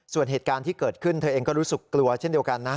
ส่วนเหตุการณ์ที่เกิดขึ้นเธอเองก็รู้สึกกลัวเช่นเดียวกันนะ